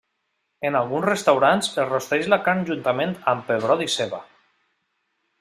En alguns restaurants es rosteix la carn juntament amb pebrot i ceba.